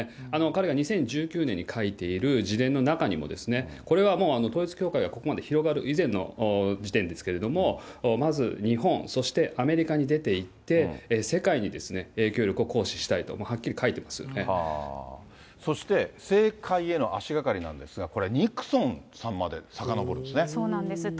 彼が２０１９年に書いている自伝の中にも、これはもう、統一教会がここまで広がる以前の時点ですけれども、まず日本、そしてアメリカに出ていって、世界に影響力を行使したいと、そして、政界への足がかりなんですが、これ、ニクソンさんまでさかのぼるんですね。